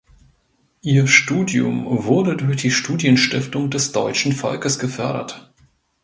Ihr Studium wurde durch die Studienstiftung des deutschen Volkes gefördert.